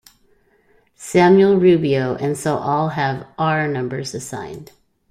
Samuel Rubio and so all have 'R' numbers assigned.